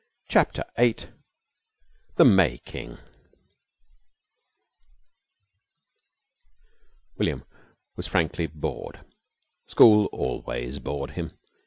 CHAPTER VIII THE MAY KING William was frankly bored. School always bored him.